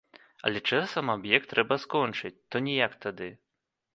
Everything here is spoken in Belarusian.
Але часам аб'ект трэба скончыць, то ніяк тады.